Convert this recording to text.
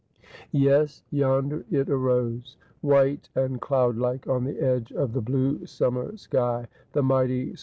Yes, yonder it arose, white and cloudlike on the edge of the blue summer sky, the mighty sno'.